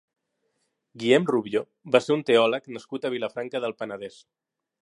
Guillem Rubió va ser un teòleg nascut a Vilafranca del Penedès.